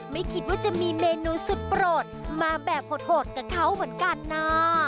ไม่คิดว่าจะมีเมนูสุดโปรดมาแบบโหดกับเขาเหมือนกันนะ